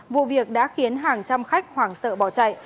vụ việc đã khiến hàng trăm khách hoảng sợ bỏ chạy